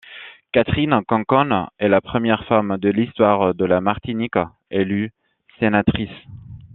Catherine Conconne est la première femme de l'histoire de la Martinique élue sénatrice.